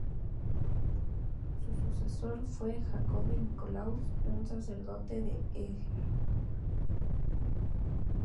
Su sucesor fue Jacobi Nicolaus, un sacerdote de Eger.